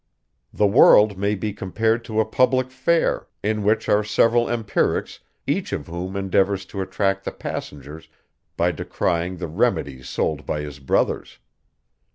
The world, may be compared to a public fair, in which are several empirics, each of whom endeavours to attract the passengers by decrying the remedies sold by his brothers.